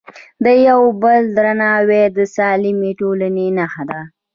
د یو بل درناوی د سالمې ټولنې نښه ده.